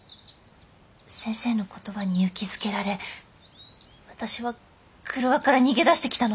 先生の言葉に勇気づけられ私は郭から逃げ出してきたのです。